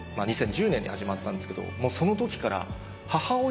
２０１０年に始まったんですけどその時から。